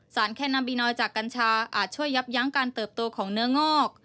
แคนาบินอยจากกัญชาอาจช่วยยับยั้งการเติบโตของเนื้องอก